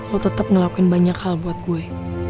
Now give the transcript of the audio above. lo tetep ngelakuin banyak hal buat gue